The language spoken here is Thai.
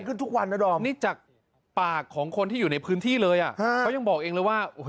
นี่จากจากปากของคนที่อยู่ในพื้นที่เลยจะยังบอกเองว่า